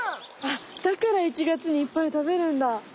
あっだから１月にいっぱい食べるんだ。